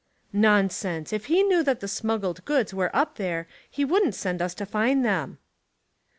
"Nonsense! If he knew that the smuggled goods were up there he wouldn't send us to find them."